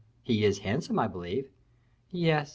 "He is handsome, I believe?" "Yes.